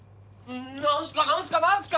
何すか何すか何すか？